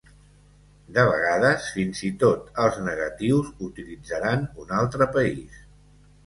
De vegades, fins i tot els negatius utilitzaran un altre país.